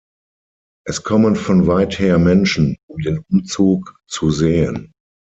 Es kommen von weit her Menschen, um den Umzug zu sehen.